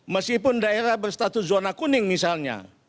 meskipun daerah berstatus zona kuning misalnya